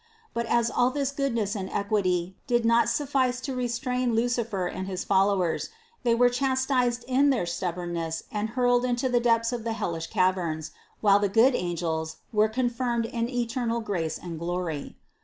But as all this goodness and equity did not suf fice to restrain Lucifer and his followers, they were chastised in their stubbornness and hurled into the depths of the hellish caverns, while the good angels were con firmed in eternal grace and glory.